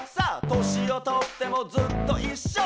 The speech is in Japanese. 「年をとってもずっといっしょ」